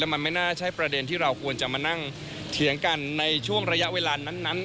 มันไม่น่าใช่ประเด็นที่เราควรจะมานั่งเถียงกันในช่วงระยะเวลานั้น